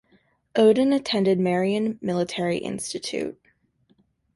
Oden attended Marion Military Institute.